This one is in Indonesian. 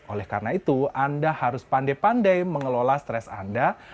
oleh karena itu anda harus pandai pandai mengelola stres anda